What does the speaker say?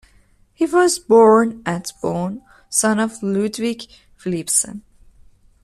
He was born at Bonn, son of Ludwig Philippson.